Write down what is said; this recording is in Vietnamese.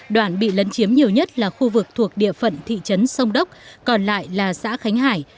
đoạn bị lấn chiếm nhiều nhất là khu vực thuộc địa phận thị trấn sông đốc còn lại là xã khánh hải